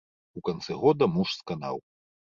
У канцы года муж сканаў.